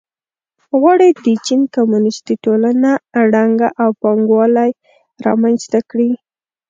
غواړي د چین کمونېستي ټولنه ړنګه او پانګوالي رامنځته کړي.